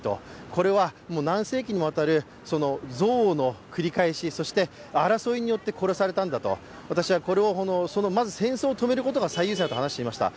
これは何世紀にもわたる憎悪の繰り返し、そして争いによって殺されたんだとまず戦争を止めることが最優先だと話していました。